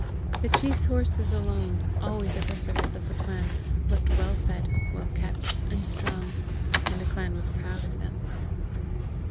The chief's horses alone, always at the service of the clan, looked well fed, well kept, and strong, and the clan was proud of them.